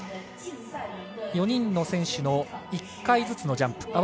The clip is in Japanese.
４人の選手の１回ずつのジャンプ。